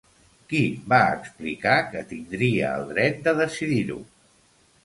Qui va explicar que tindria el dret de decidir-ho?